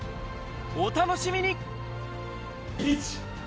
お楽しみに！